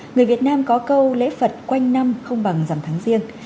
người việt nam có câu lễ phật quanh năm không bằng dằm tháng riêng